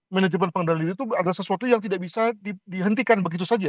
manajemen pengendali itu adalah sesuatu yang tidak bisa dihentikan begitu saja